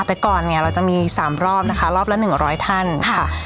แต่ก่อนไงเราจะมีสามรอบนะคะรอบละหนึ่งร้อยท่านค่ะ